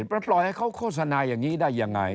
ไปปล่อยให้เขาโฆษณาอย่างนี้ได้ยังไง